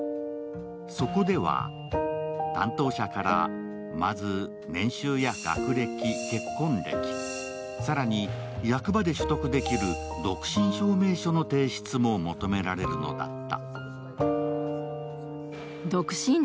そこでは担当者からまず年収や学歴結婚歴、更に役場で取得できる独身証明書の提出も求められるのだった。